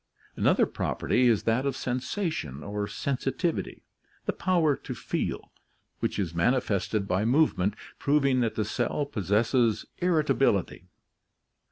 Another property is that of sensation or sensitivity, the power to feel, which is manifested by movement, proving that the cell possesses irritability.